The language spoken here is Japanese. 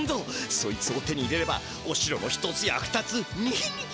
そいつを手に入れればおしろの一つや二つニヒニヒ。